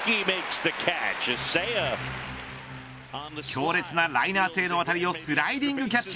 強烈なライナー性の当たりをスライディングキャッチ。